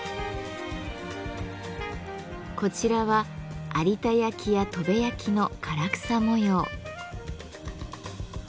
こちらは有田焼や砥部焼の唐草模様。